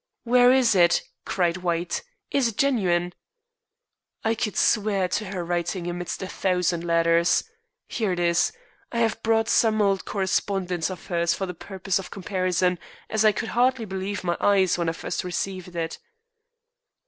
"Where is it?" cried White. "Is it genuine?" "I could swear to her writing amidst a thousand letters. Here it is. I have brought some old correspondence of hers for the purpose of comparison, as I could hardly believe my eyes when I first received it."